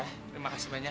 terima kasih banyak